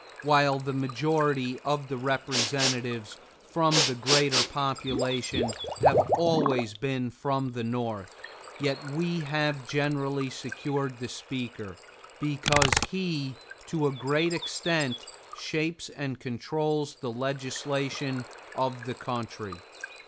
While the majority of the representatives, from their greater population, have always been from the North, yet we have generally secured the Speaker, because he, to a great extent, shapes and controls the legislation of the country.